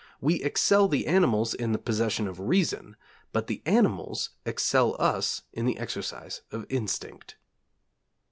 We excel the animals in the possession of reason, but the animals excel us in the exercise of instinct.